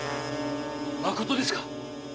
まことですか？